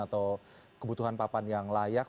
atau kebutuhan papan yang layak